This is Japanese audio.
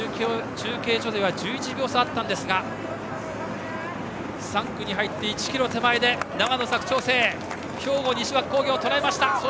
中継所では１１秒差あったんですが３区に入って１ｋｍ手前で長野・佐久長聖が兵庫・西脇工業をとらえました。